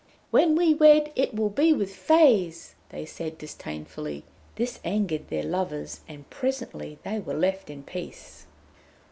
'When we wed, it will be with Fées!' they said disdainfully. This angered their lovers, and presently they were left in peace.